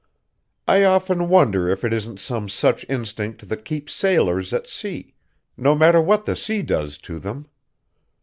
I often wonder if it isn't some such instinct that keeps sailors at sea, no matter what the sea does to them.